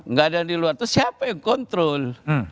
nggak ada yang di luar itu siapa yang kontrol